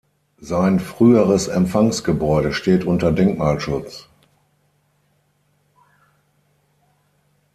Sein früheres Empfangsgebäude steht unter Denkmalschutz.